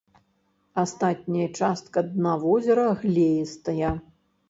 Астатняя частка дна возера глеістая.